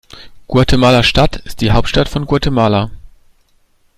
Guatemala-Stadt ist die Hauptstadt von Guatemala.